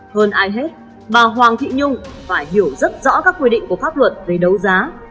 hơn ai hết bà hoàng thị nhung phải hiểu rất rõ các quy định của pháp luật về đấu giá